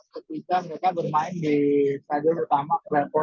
ketika mereka bermain di stadion utama travel